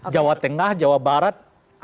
jawa tengah jawa barat